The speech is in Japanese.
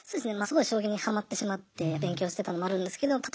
すごい将棋にはまってしまって勉強してたのもあるんですけど